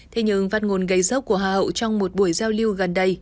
thế nhưng phát ngôn gầy dốc của hoa hậu trong một buổi giao lưu gần đây